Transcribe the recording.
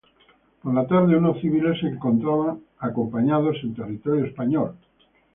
Por la tarde, unos civiles se encontraban acampados en territorio español.